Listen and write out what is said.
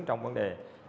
trong vấn đề